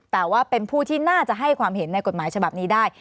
แต่ว่าเป็นผู้ที่น่าจะให้ความเห็นในกฎหมายฉบับนี้ได้